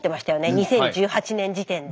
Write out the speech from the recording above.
２０１８年時点で。